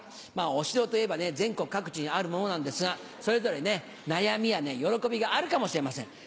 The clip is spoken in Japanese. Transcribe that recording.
お城といえばね、全国各地にあるものなんですが、それぞれね、悩みや喜びがあるかもしれません。